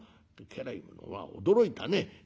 家来どもは驚いたね。